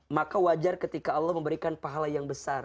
maka wajar ketika allah memberikan pahala yang besar